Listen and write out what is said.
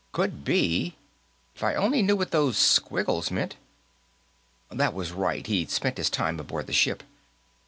"Could be. If I only knew what those squiggles meant " That was right; he'd spent his time aboard the ship.